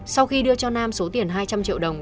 sau khi đưa cho nam số tiền hai trăm linh triệu đồng